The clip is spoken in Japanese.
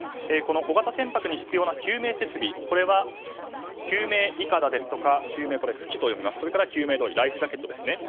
小型船舶に必要な救命設備は救命いかだですとか救命浮器、それから救命胴衣ライフジャケットですね。